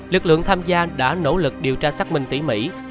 lực lượng tham gia đã nỗ lực điều tra xác minh tỉ mỉ